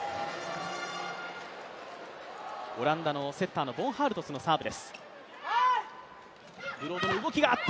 オランダのセッターのボンハールトスのサーブ。